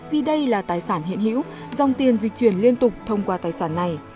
vì đây là tài sản hiện hữu dòng tiền dịch chuyển liên tục thông qua tài sản này